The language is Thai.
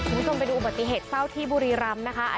สู่จนไปดูบัตริเหตุเฝ้าที่บุรีรำ